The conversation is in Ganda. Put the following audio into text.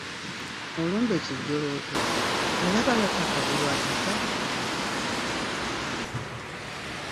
Olumbe kijjolooto olaba lwatta Kagulu atafa!